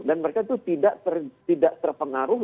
mereka itu tidak terpengaruh